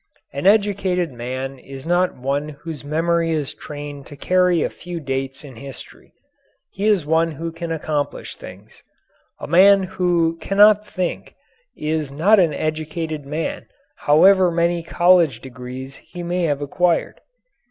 An educated man is not one whose memory is trained to carry a few dates in history he is one who can accomplish things. A man who cannot think is not an educated man however many college degrees he may have acquired.